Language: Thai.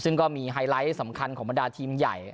ซึ่งก็มีไฮไลท์สำคัญของบรรดาทีมใหญ่